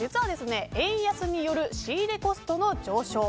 円安による仕入れコストの上昇